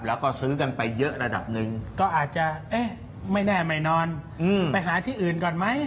แล้วก็ซื้อกันไปเยอะระดับหนึ่งก็อาจจะเอ๊ะไม่แน่ไม่นอนไปหาที่อื่นก่อนไหม